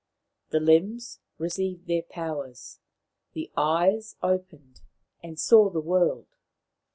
The limbs received their powers, the eyes opened and saw the world.